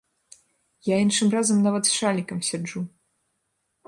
Я іншым разам нават з шалікам сяджу.